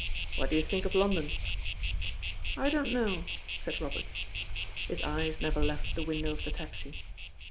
"What do you think of London?" "I don't know," said Robert. His eyes never left the window of the taxi.